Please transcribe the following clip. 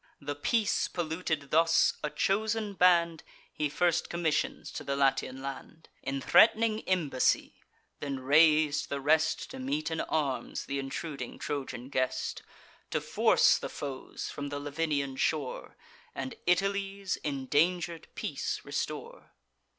The peace polluted thus, a chosen band He first commissions to the Latian land, In threat'ning embassy; then rais'd the rest, To meet in arms th' intruding Trojan guest, To force the foes from the Lavinian shore, And Italy's indanger'd peace restore.